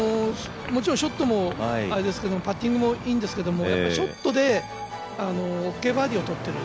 ショットもあれですけど、パッティングもいいんですけどショットでＯＫバーディーを取っている。